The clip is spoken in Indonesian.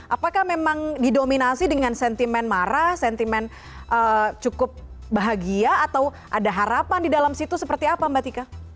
apakah memang didominasi dengan sentimen marah sentimen cukup bahagia atau ada harapan di dalam situ seperti apa mbak tika